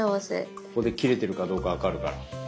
ここで切れてるかどうか分かるから。